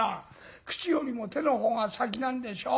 口よりも手のほうが先なんでしょ？